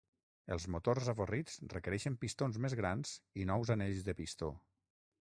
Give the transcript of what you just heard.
Els motors avorrits requereixen pistons més grans i nous anells de pistó.